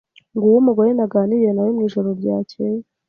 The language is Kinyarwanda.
Nguwo mugore naganiriye nawe mwijoro ryakeye.